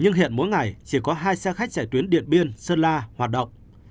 nhưng hiện mỗi ngày chỉ có hai xe khách chạy tuyến điện biên sơn la hoạt động